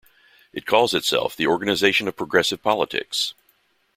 It calls itself the organization of progressive politics.